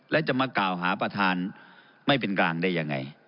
และจะมากล่าวหาประธานไม่เป็นกลางได้ยังไง